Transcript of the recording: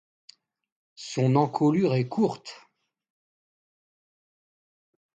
Son encolure est courte.